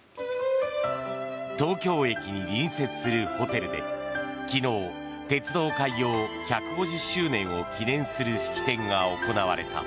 東京駅に隣接するホテルで昨日鉄道開業１５０周年を記念する式典が行われた。